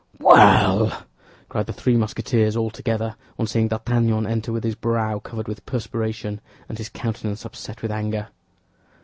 "Well!" cried the three Musketeers all together, on seeing D'Artagnan enter with his brow covered with perspiration and his countenance upset with anger.